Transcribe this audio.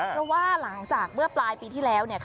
เพราะว่าหลังจากเมื่อปลายปีที่แล้วเนี่ย